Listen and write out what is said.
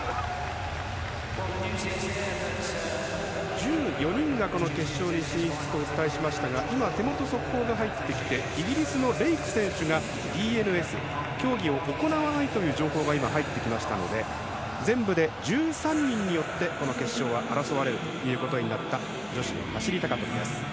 １４人が決勝に進出とお伝えしましたが今、手元に速報が入ってきてイギリスのレイク選手がＤＮＳ、競技を行わないという情報が入ってきたので全部で１３人によって決勝は争われることになった女子走り高跳びです。